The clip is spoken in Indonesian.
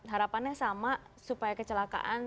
harapannya sama supaya kecelakaan